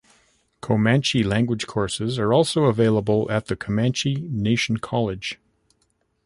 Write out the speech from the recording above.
Comanche language courses are also available at the Comanche Nation College.